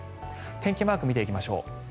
天気マーク見ていきましょう。